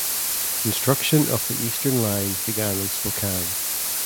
Construction of the eastern line began in Spokane.